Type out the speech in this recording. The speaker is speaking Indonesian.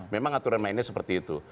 memang aturan mainnya seperti itu